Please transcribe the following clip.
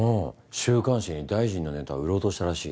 週刊誌に大臣のネタ売ろうとしたらしい。